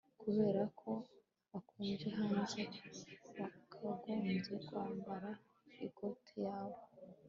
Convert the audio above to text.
Kubera ko hakonje hanze wakagombye kwambara ikoti yawe